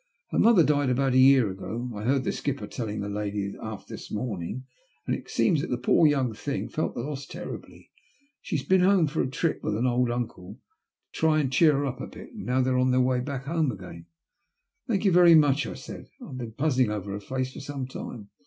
Her mother died about a year ago, I heard the skipper telling a lady aft this morning, and it seems the poor young thing felt the loss terribly. She's been home for a trip with an old uncle to try and A STRANGE COINCIDENCE. 119 cheer her up a bit, and now they are on their way back home again." "Thank you very much," I said. "I have been puzzling over her face for some time.